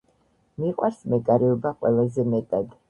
მიყვარს მეკარეობა ყველაზე მეტად